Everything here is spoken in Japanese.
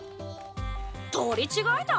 取り違えた？